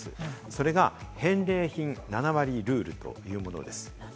それが返礼品７割ルールというものです。